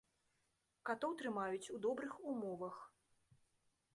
Катоў трымаюць у добрых умовах.